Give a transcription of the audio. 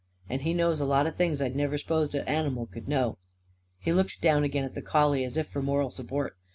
And he knows a lot of things I'd never s'posed a animal c'd know." He looked down again at the collie as if for moral support.